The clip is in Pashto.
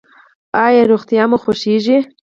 ایا روغتیا مو خوښیږي؟